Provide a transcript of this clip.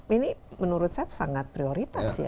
ini menurut saya sangat prioritas ya